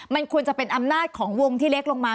มันควรจะเป็นอำนาจของวงที่เล็กลงมา